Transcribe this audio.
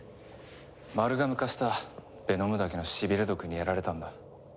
マルガム化したヴェノムダケのしびれ毒にやられたんだ。